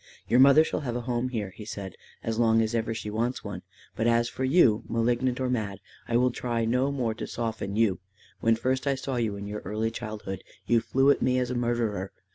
"Your mother shall have a home here," he said, "as long as ever she wants one; but as for you, malignant or mad, I will try no more to soften you. When first I saw you in your early childhood, you flew at me as a murderer.